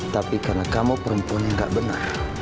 tapi karena kamu perempuan yang gak benar